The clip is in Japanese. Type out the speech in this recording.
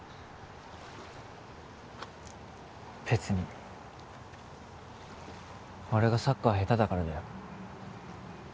別に俺がサッカーヘタだからだよ